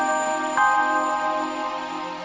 sampai jumpa lagi